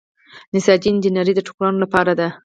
نساجي انجنیری د ټوکرانو لپاره ده.